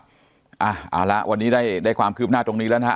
ครับอ่าแล้ววันนี้ได้ความคืบหน้าตรงนี้แล้วนะครับ